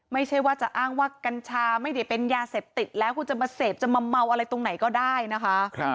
ไม่ใช่ว่าจะอ้างว่ากัญชาไม่ได้เป็นยาเสพติดแล้วคุณจะมาเสพจะมาเมาอะไรตรงไหนก็ได้นะคะ